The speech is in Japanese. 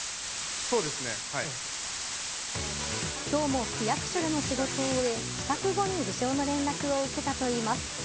今日も区役所での仕事を終え帰宅後に受賞の連絡を受けたといいます。